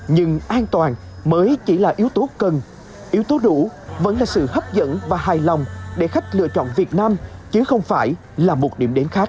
nhưng an toàn mới chỉ là yếu tố cần yếu tố đủ vẫn là sự hấp dẫn và hài lòng để khách lựa chọn việt nam chứ không phải là một điểm đến khác